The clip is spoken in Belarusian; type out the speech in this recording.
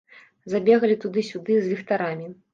Забегалі туды-сюды з ліхтарамі.